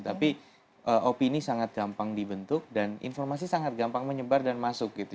tapi opini sangat gampang dibentuk dan informasi sangat gampang menyebar dan masuk gitu